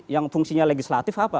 yang fungsinya legislatif apa